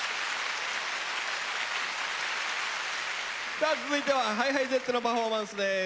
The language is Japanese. さあ続いてはＨｉＨｉＪｅｔｓのパフォーマンスです。